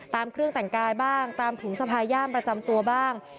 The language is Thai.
เครื่องแต่งกายบ้างตามถุงสะพาย่ามประจำตัวบ้าง